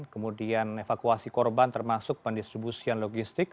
kemudian evakuasi korban termasuk pendistribusian logistik